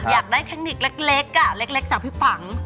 อยากได้เทคนิคเล็กเล็กจากพี่ปัง